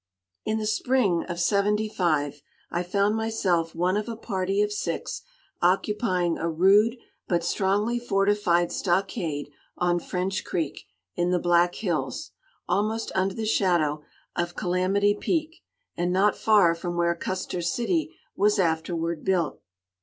In the spring of '75 I found myself one of a party of six occupying a rude but strongly fortified stockade on French Creek, in the Black Hills, almost under the shadow of Calamity Peak, and not far from where Custer City was afterward built.